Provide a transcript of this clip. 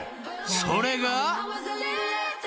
［それが］